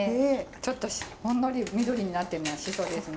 ちょっとほんのり緑になってるのはシソですね。